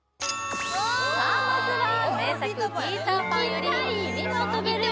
さあまずは名作「ピーター・パン」より「きみもとべるよ！」